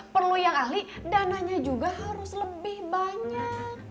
perlu yang ahli dananya juga harus lebih banyak